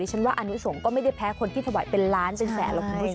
จลับว่านุสงศ์ก็ไม่แพ้คนที่ถวายเป็นล้านเป็นแสนละบุญสุทธิ์